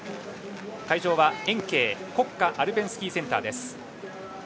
会場は延慶国家アルペンスキーセンターです。